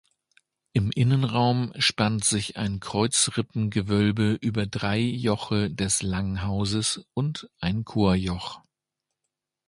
Im Innenraum spannt sich ein Kreuzrippengewölbe über drei Joche des Langhauses und ein Chorjoch.